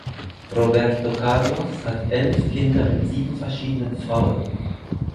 Roberto Carlos hat elf Kinder mit sieben verschiedenen Frauen.